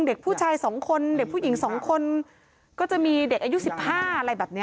เด็กผู้ชาย๒คนเด็กผู้หญิง๒คนก็จะมีเด็กอายุ๑๕อะไรแบบนี้